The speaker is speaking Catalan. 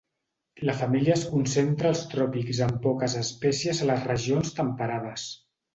La família es concentra als tròpics amb poques espècies a les regions temperades.